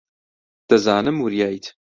دەزانم وریایت.